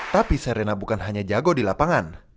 tapi serena bukan hanya jago di lapangan